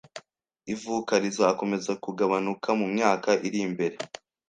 Ivuka rizakomeza kugabanuka mumyaka iri imbere